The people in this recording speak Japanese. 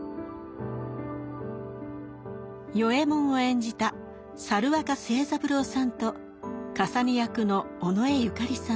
与右衛門を演じた猿若清三郎さんとかさね役の尾上紫さん。